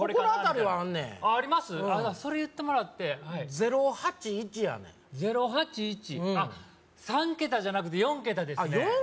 じゃあそれ言ってもらって０８１やねん０８１あっ３桁じゃなくて４桁ですねあっ